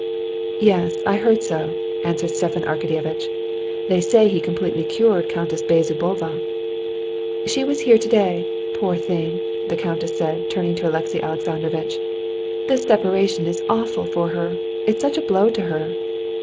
"Yes, I heard so," answered Stepan Arkadyevitch; "they say he completely cured Countess Bezzubova." "She was here today, poor thing!" the countess said, turning to Alexey Alexandrovitch. "This separation is awful for her. It's such a blow to her!"